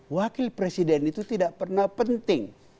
wakil presiden itu tidak pernah penting